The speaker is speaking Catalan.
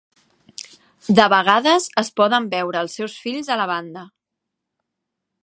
De vegades es poden veure els seus fills a la banda.